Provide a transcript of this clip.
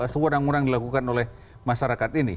semua yang dilakukan oleh masyarakat ini